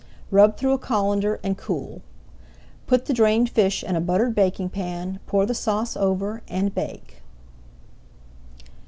Rub through a colander and cool. Put the drained fish in a buttered baking pan, pour the sauce over, and bake.